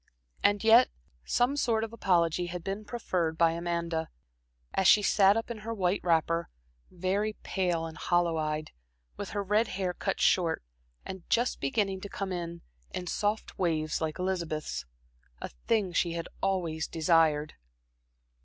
And yet some sort of apology had been proffered by Amanda, as she sat up in her white wrapper, very pale and hollow eyed, with her red hair cut short, and just beginning to come in in soft waves like Elizabeth's a thing she had always desired.